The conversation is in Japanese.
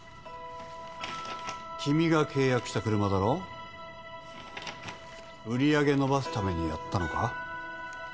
君が契約した車だろ売り上げ伸ばすためにやったのか？